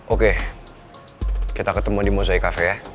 oke kita ketemu di mozzai cafe ya